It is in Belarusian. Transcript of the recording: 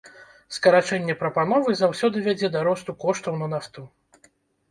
Скарачэнне прапановы заўсёды вядзе да росту коштаў на нафту.